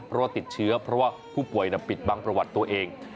เพราะว่าติดเชื้อเพราะว่าผู้ป่วยปิดบังประวัติตัวเอง